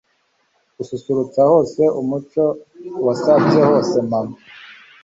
gususurutsa hose umucyo wasabye hose Mama